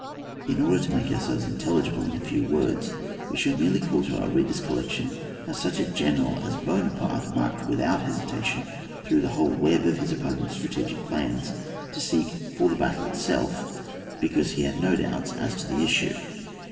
In order to make our selves intelligible in a few words, we shall merely call to our readers' recol lection how such a general as Buona parte marched without hesitation through the whole web of his opponents' strategic plans, to seek for the battle itself, be cause he had no doubts as to its issue.